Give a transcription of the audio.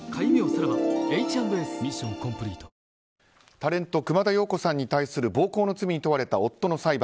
タレント熊田曜子さんに対する暴行の罪に問われた夫の裁判。